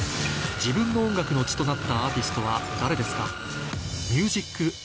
自分の音楽の血となったアーティストは誰ですか？